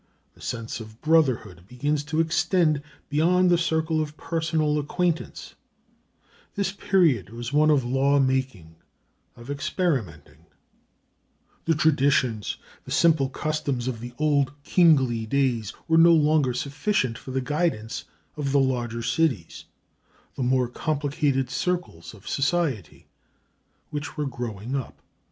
The sense of brotherhood begins to extend beyond the circle of personal acquaintance. [Footnote 15: See Pythian Games at Delphi, page 181.] This period was one of lawmaking, of experimenting. The traditions, the simple customs of the old kingly days, were no longer sufficient for the guidance of the larger cities, the more complicated circles of society, which were growing up.